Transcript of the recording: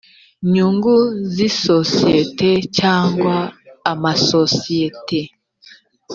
nyungu z isosiyete cyangwa amasosiyete